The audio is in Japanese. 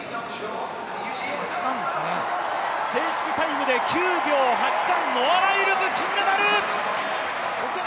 正式タイムで９秒８３、ノア・ライルズ金メダル！